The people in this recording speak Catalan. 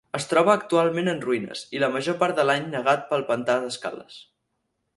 Es troba actualment en ruïnes i la major part de l'any negat pel pantà d'Escales.